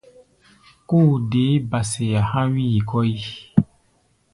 Kóo deé ba-sea há̧ wíi kɔ́ʼi.